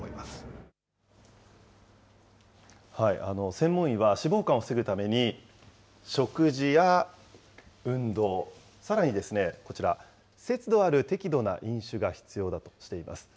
専門医は、脂肪肝を防ぐために、食事や運動、さらにですね、こちら、節度ある適度な飲酒が必要だとしています。